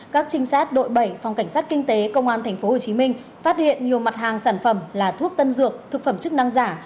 các trinh sát đội bảy phòng cảnh sát kinh tế công an tp hcm phát hiện nhiều mặt hàng sản phẩm là thuốc tân dược thực phẩm chức năng giả